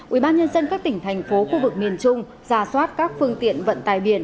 ubnd các tỉnh thành phố khu vực miền trung giả soát các phương tiện vận tài biển